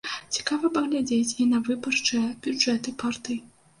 Цікава паглядзець і на выбарчыя бюджэты партый.